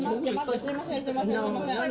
すみませんすみません。